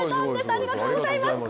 ありがとうございます！